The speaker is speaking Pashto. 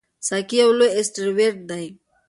سایکي یو لوی اسټروېډ دی.